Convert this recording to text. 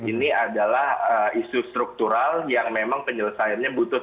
ini adalah isu struktural yang memang penyelesaiannya butuh